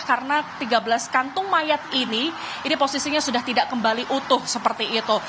karena tiga belas kantung mayat ini ini posisinya sudah tidak kembali utuh seperti itu